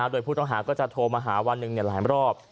โดยผู้ต้องหาก็จะโทรมาหาวันหนึ่งหลายรอบ